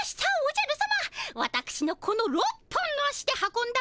わたくしのこの６本の足で運んだ